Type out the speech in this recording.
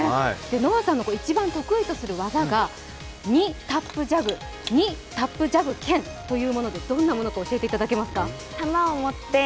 ＮＯＷＡさんの一番得意とする技が２タップジャグ２タップジャグけんというものでどんなものか教えていただけますか？